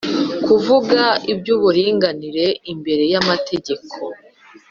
kuvuga iby'uburinganire imbere y'amategeko